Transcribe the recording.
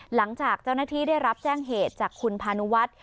หลังจากเจ้าหน้าที่ได้รับแจ้งเหตุจากคุณพานุวัฒน์